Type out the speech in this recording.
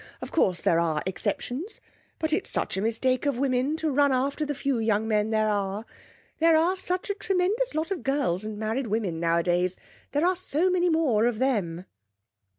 Of course, there are exceptions. But it's such a mistake of women to run after the few young men there are. There are such a tremendous lot of girls and married women nowadays, there are so many more of them.'